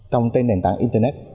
trong tên nền tảng internet